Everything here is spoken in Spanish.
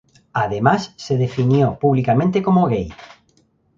Además, se definió públicamente como gay.